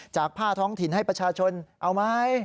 ผ้าท้องถิ่นให้ประชาชนเอาไหม